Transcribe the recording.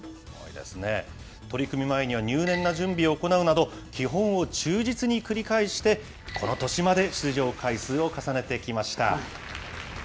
取組前には入念な準備を行うなど、基本を忠実に繰り返して、この年まで出場回数を重ねてきました。